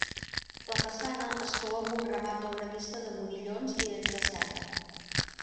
La façana es clou amb un remat d'obra vista de modillons i dents de serra.